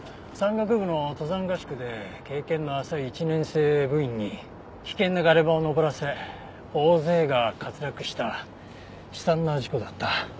山岳部の登山合宿で経験の浅い１年生部員に危険なガレ場を登らせ大勢が滑落した悲惨な事故だった。